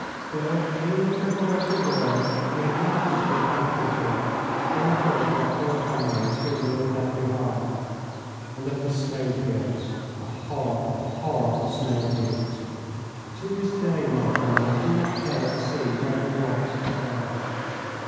Still, lean and crippled as we were, we had much to be thankful for when we thought of our poor comrades whom we had left behind, and of the snowfields the horrible, horrible snowfields. To this day, my friends, I do not care to see red and white together.